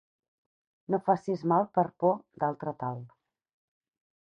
No facis mal per por d'altre tal.